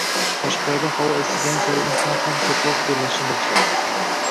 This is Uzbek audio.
Tashqarida havo isigani sari inson ham ko‘proq terlashni boshlaydi